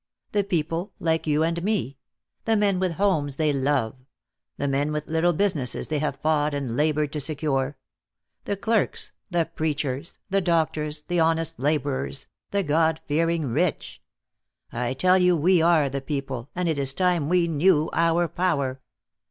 The people like you and me; the men with homes they love; the men with little businesses they have fought and labored to secure; the clerks; the preachers; the doctors, the honest laborers, the God fearing rich. I tell you, we are the people, and it is time we knew our power.